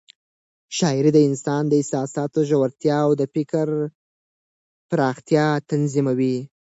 شاعري د انسان د احساساتو ژورتیا او د فکر پراختیا تضمینوي.